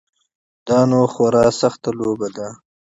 دا نو خورا سخته لوبه ده.